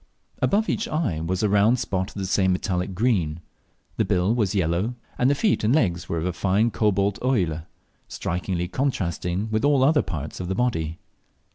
Above each eye was a round spot of the same metallic green; the bill was yellow, and the feet and legs were of a fine cobalt óille, strikingly contrasting with all the other parts of the body.